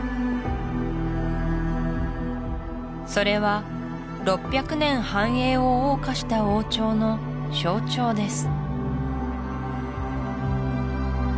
それは６００年繁栄をおう歌した王朝の象徴です